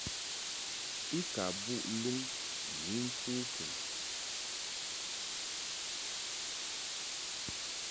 I ka mbuʼ luŋ ni ŋku kəŋ.